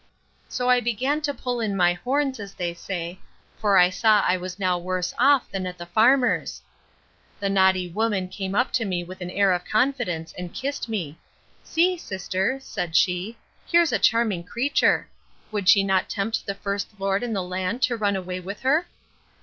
So I began to pull in my horns, as they say, for I saw I was now worse off than at the farmer's. The naughty woman came up to me with an air of confidence, and kissed me: See, sister, said she, here's a charming creature! Would she not tempt the best lord in the land to run away with her?